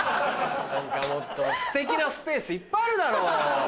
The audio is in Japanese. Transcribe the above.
もっとステキなスペースいっぱいあるだろう。